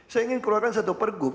saya ingin keluarkan satu pergub